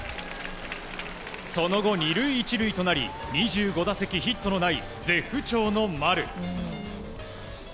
その後、２塁１塁となり２５打席ヒットのない絶不調の丸。